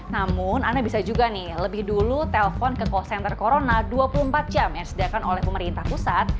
namun anda bisa juga nih lebih dulu telpon ke call center corona dua puluh empat jam yang disediakan oleh pemerintah pusat